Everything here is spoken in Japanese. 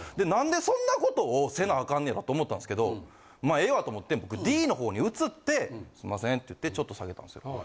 なんでそんなことをせなあかんねやろと思ったんですけどまあええわと思って僕Ｄの方に移って「すいません」って言ってちょっと下げたんですよ。